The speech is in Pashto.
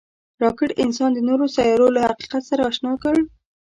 راکټ انسان د نورو سیارو له حقیقت سره اشنا کړ